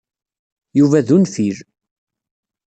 Yuba d unfil.